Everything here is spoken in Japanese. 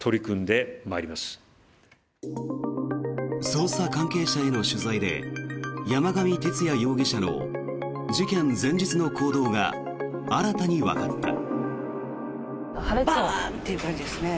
捜査関係者への取材で山上徹也容疑者の事件前日の行動が新たにわかった。